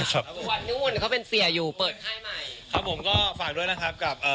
หนึ่งปีมาช่วงไว้ใช่ไหมครับ